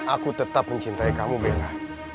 aku tetap mencintai kamu bella